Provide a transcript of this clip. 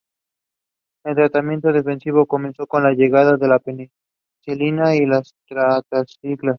El tratamiento efectivo comenzó con la llegada de las penicilinas y las tetraciclinas.